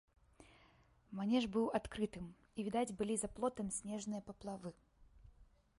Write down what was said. Манеж быў адкрытым, і відаць былі за плотам снежныя паплавы.